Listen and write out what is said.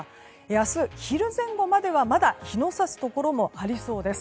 明日、昼前後まではまだ日のさすところもありそうです。